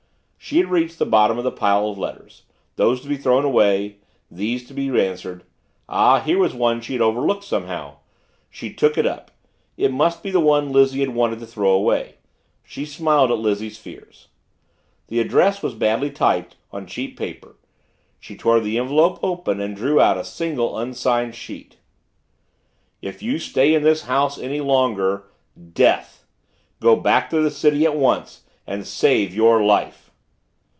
She had reached the bottom of her pile of letters these to be thrown away, these to be answered ah, here was one she had overlooked somehow. She took it up. It must be the one Lizzie had wanted to throw away she smiled at Lizzie's fears. The address was badly typed, on cheap paper she tore the envelope open and drew out a single unsigned sheet. If you stay in this house any longer DEATH. Go back to the city at once and save your life.